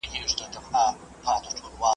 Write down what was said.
موټر چلونکی په خپل ځای کې راسم شو.